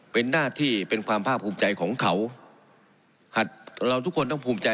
เป็นหน้าที่เป็นความภาคภูมิใจของเขาหัดเราทุกคนต้องภูมิใจ